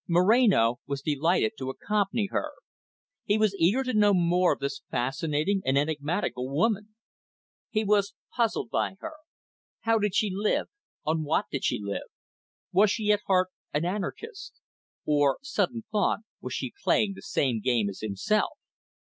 Moreno was delighted to accompany her. He was eager to know more of this fascinating and enigmatical woman. He was puzzled by her. How did she live; on what did she live? Was she at heart an anarchist? Or, sudden thought, was she playing the same game as himself?